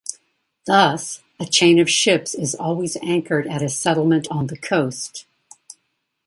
Thus, a chain of ships is always anchored at a settlement on the coast.